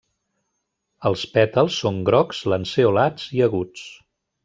Els pètals són grocs, lanceolats i aguts.